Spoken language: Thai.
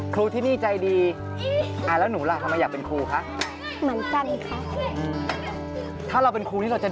มุกคนสำคัญที่เป็นเรี่ยวแรงหลักในการดูแลน้องก็คือคุณย่านกน้อยนั่นเองนะครับ